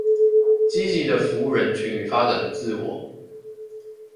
積極的服務人群與發展自我